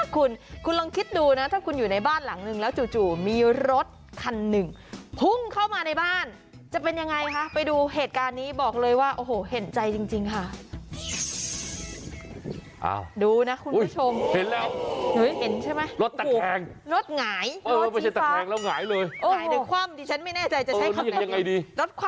คุณคุณลองคิดดูนะถ้าคุณอยู่ในบ้านหลังนึงแล้วจู่มีรถคันหนึ่งพุ่งเข้ามาในบ้านจะเป็นยังไงคะไปดูเหตุการณ์นี้บอกเลยว่าโอ้โหเห็นใจจริงค่ะ